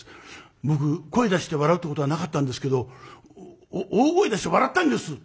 僕声出して笑うってことはなかったんですけど大声出して笑ったんです」とこう言うんですよ。